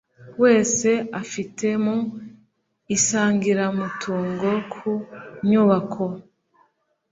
wese afite mu isangiramutungo ku nyubako